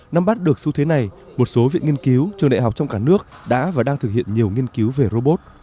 năm bắt được xu thế này một số viện nghiên cứu trường đại học trong cả nước đã và đang thực hiện nhiều nghiên cứu về robot